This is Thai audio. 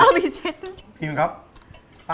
อันนี้คืออันนี้คือ